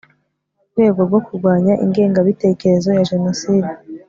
rwego rwo kurwanya ingengabitekerezo ya Jenoside